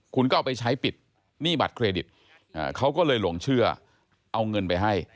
คุณก็เอาไปใช้ปิดหนี้บัตรเครดิตเขาก็เลยหลงเชื่อเอาเงินไปให้